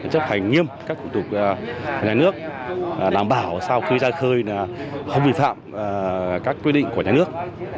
chấp hành nghiêm các thủ tục nhà nước đảm bảo sau khi ra khơi không vi phạm các quy định của nhà nước